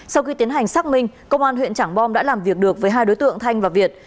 sau khi tiến hành xác minh công an huyện trảng bom đã làm việc được với hai đối tượng thanh và việt